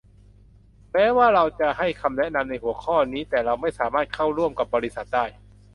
แม้ว่าเราจะให้คำแนะนำในหัวข้อนี้ แต่เราไม่สามารถเข้าร่วมกับบริษัทได้